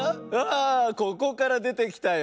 あここからでてきたよ。